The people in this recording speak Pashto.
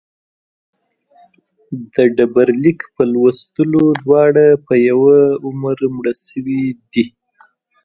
د ډبرلیک په لوستلو دواړه په یوه عمر مړه شوي دي.